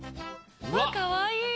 かわいい！